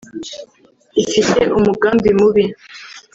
Ifite umugambi mubi